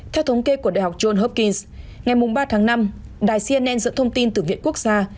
theo thống kê của đại học john hopkins ngày ba tháng năm đài cnn dẫn thông tin từ viện quốc gia